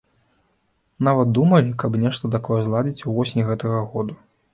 Нават думалі, каб нешта такое зладзіць ўвосень гэтага году.